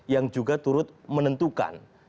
yang juga turut menentukan